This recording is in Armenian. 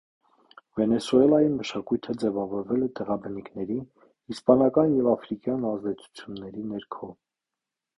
Վենեսուելայի մշակույթը ձևավորվել է տեղաբնիկների, իսպանական և աֆրիկյան ազդեցությունների ներքո։